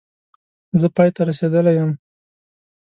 زه پای ته رسېدلی یم